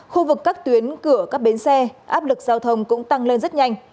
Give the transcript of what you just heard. khu vực các tuyến cửa các bến xe áp lực giao thông cũng tăng lên rất nhanh